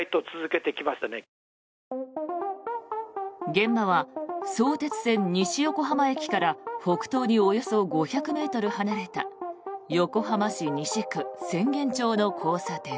現場は相鉄線西横浜駅から北東におよそ５００ｍ離れた横浜市西区浅間町の交差点。